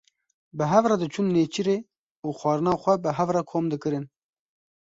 Bi hev re diçûn nêçîrê û xwarina xwe bi hev re kom dikirin.